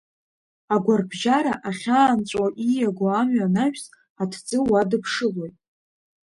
Агәарбжьара ахьаанҵәо ииагоу амҩа анаҩс, аҭӡы уадыԥшылоит.